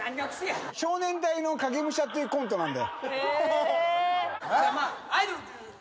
「少年隊の影武者」っていうコントなんだよ。